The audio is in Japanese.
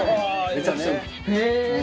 めちゃくちゃうまい？